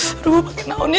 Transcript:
aduh gue pake naunnya